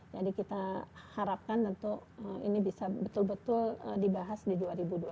jadi kita harapkan tentu ini bisa betul betul dibahas di dua ribu dua puluh dua